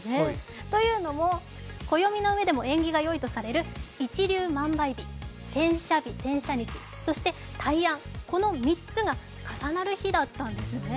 というのも暦の上でも縁起が良いとされる一粒万倍日、天赦日、大安のこの３つが重なる日だったんですね。